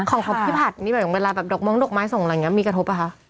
ของพี่ผัดนี่แบบเวลาแบบดอกม้องดอกไม้ส่งอะไรอย่างนี้มีกระทบป่ะคะ